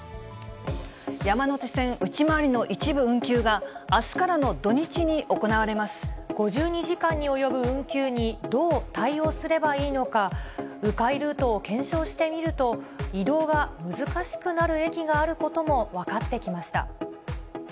山手線内回りの一部運休が、５２時間に及ぶ運休に、どう対応すればいいのか、う回ルートを検証してみると、移動が難しくなる駅があることも分かってきました。